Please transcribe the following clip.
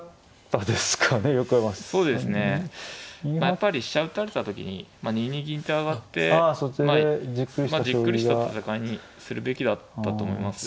やっぱり飛車打たれた時に２二銀って上がってじっくりした戦いにするべきだったと思います。